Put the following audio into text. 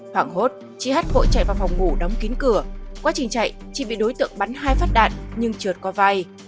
khoảng hốt chị h vội chạy vào phòng ngủ đóng kín cửa quá trình chạy chị bị đối tượng bắn hai phát đạn nhưng trượt qua vai